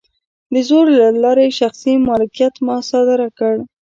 د زور له لارې یې شخصي مالکیت مصادره کړ.